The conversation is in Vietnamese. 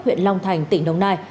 huyện long thành tỉnh đồng nai